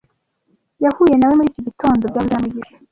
Yahuye na we muri iki gitondo byavuzwe na mugisha